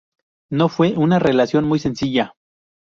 No fue una relación muy sencilla.